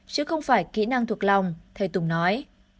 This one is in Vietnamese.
chứ không phải kỹ năng thuộc lòng thầy tùng nói